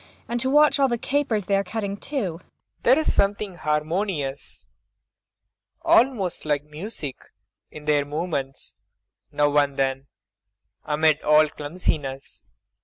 And to watch all the capers they are cutting, too! PROFESSOR RUBEK. There is something harmonious almost like music in their movements, now and then; amid all the clumsiness.